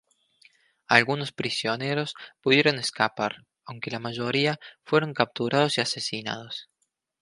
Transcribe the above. Algunos prisioneros pudieron escapar, aunque la mayoría fueron capturados y asesinados.